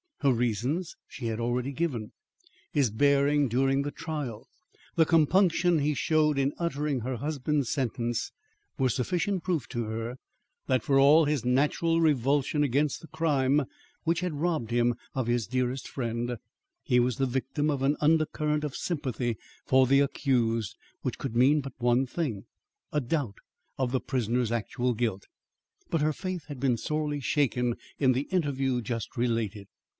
Her reasons she has already given. His bearing during the trial, the compunction he showed in uttering her husband's sentence were sufficient proof to her that for all his natural revulsion against the crime which had robbed him of his dearest friend, he was the victim of an undercurrent of sympathy for the accused which could mean but one thing a doubt of the prisoner's actual guilt. But her faith had been sorely shaken in the interview just related.